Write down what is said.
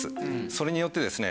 それによってですね